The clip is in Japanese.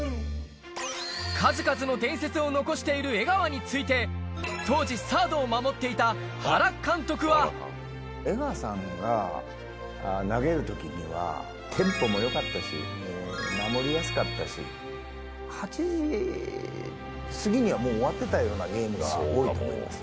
数々の伝説を残している江川について、当時、サードを守っていた江川さんが投げるときには、テンポもよかったし、守りやすかったし、８時過ぎにはもう終わってたようなゲームが多いと思います。